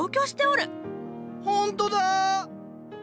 ほんとだ！